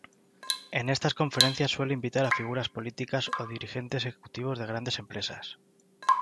En estas conferencias suele invitar a figuras políticas o dirigentes ejecutivos de grandes empresas.